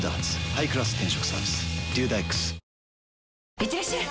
いってらっしゃい！